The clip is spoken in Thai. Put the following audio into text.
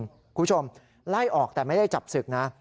คุณผู้ชมไล่ออกแต่ไม่ได้จับศึกนะ